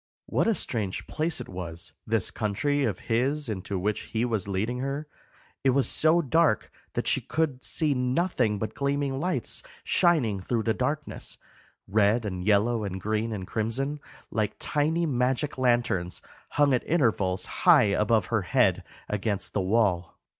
What a strange place it was, this country of his into which he was leading her! It was so dark that she could see nothing but gleaming lights shining through the darkness, red and yellow and green and crimson, like tiny magic lanterns hung at intervals high above her head against the wall.